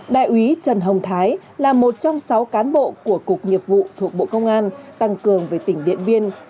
đại úy trần hồng thái là một trong sáu cán bộ của cục nhiệp vụ thuộc bộ công an tăng cường về tỉnh điện biên